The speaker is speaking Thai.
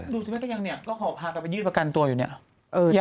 ดูสิว่าตอนนี้ก็พาไปยืดประกันตัวอยู่เนี่ย